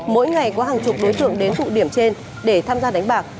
mỗi ngày có hàng chục đối tượng đến tụ điểm trên để tham gia đánh bạc